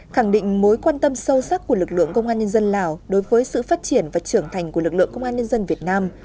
khẳng định mối quan tâm sâu sắc của lực lượng công an nhân dân lào đối với sự phát triển và trưởng thành của lực lượng công an nhân dân việt nam